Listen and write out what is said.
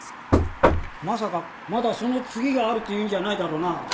まさかまだその次があるっていうんじゃないだろうな？